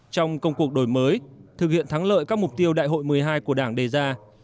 trong công cuộc đổi mới thực hiện thắng lợi các mục tiêu đại hội một mươi hai của đảng đề ra